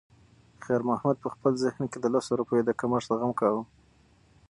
خیر محمد په خپل ذهن کې د لسو روپیو د کمښت غم کاوه.